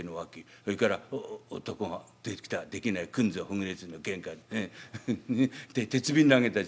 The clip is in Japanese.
それから男が出てきたらできないくんずほぐれつの喧嘩で鉄瓶投げたし。